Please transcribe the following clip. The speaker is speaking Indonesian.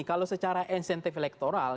kalau secara insentif elektoral